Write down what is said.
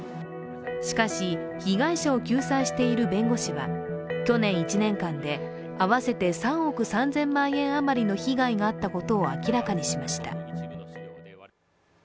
しかし、被害者を救済している弁護士は去年１年間で、合わせて３億３０００万円あまりの被害があったことを明らかにしました。